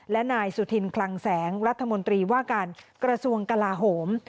และนายสุธินคลังแสงรัฐมนตรีว่าการกระทรวงกลาโหม